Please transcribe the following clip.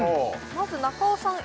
まず中尾さん